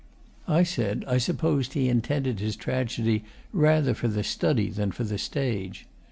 I said I supposed he intended his tragedy rather for the study than for the stage.